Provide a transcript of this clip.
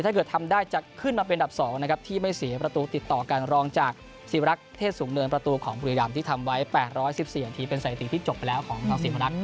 ถ้าเกิดทำได้จะขึ้นมาเป็นดับสองนะครับที่ไม่เสียประตูติดต่อกันรองจากสิบลักษณ์เทศสูงเนินประตูของบริหรัมที่ทำไว้แปดร้อยสิบเสียทีเป็นสถิติที่จบไปแล้วของสิบลักษณ์